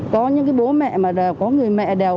có những cái bố mẹ mà có người mẹ đèo